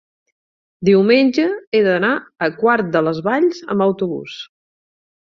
Diumenge he d'anar a Quart de les Valls amb autobús.